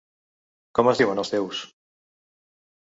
Com es diuen els teus.?